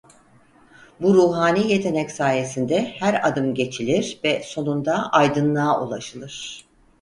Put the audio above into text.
Bu ruhani yetenek sayesinde her adım geçilir ve sonunda aydınlığa ulaşılır.